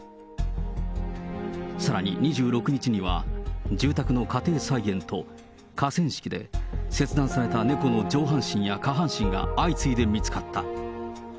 さらに２６日には、住宅の家庭菜園と河川敷で、切断された猫の上半身や下半身が相次いで見つかった。